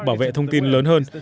bảo vệ thông tin lớn hơn